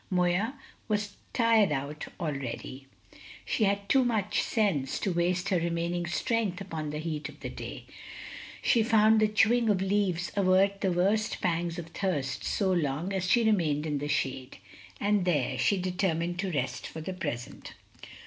Moya was tired out already; she had too much sense to waste her remaining strength upon the heat of the day. She found the chewing of leaves avert the worst pangs of thirst, so long as she remained in the shade, and there she determined to rest for the present.